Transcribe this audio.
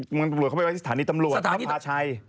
หมุนปรับโดยเขาไปวัยที่ศาลีธรรมหลวงษัตริย์พระภาชัย